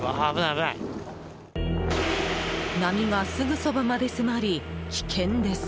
波がすぐそばまで迫り危険です。